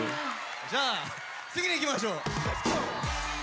じゃあ次にいきましょう！